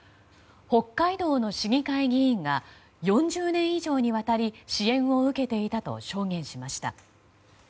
北海道の市議会議員が４０年以上にわたり支援を受けていたと証言しました。